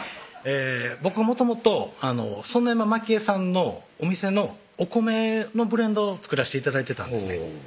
僕もともと園山真希絵さんのお店のお米のブレンドを作らして頂いてたんですね